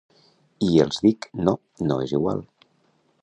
I els dic: No, no és igual.